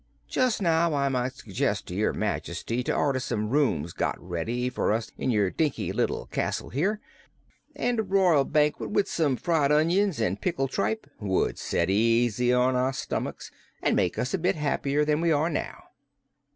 "Just now I might suggest to your Majesty to order some rooms got ready for us in your dinky little castle here. And a royal banquet, with some fried onions an' pickled tripe, would set easy on our stomicks an' make us a bit happier than we are now."